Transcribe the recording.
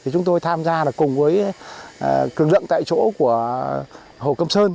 chúng tôi tham gia cùng với cường lượng tại chỗ của hồ công sơn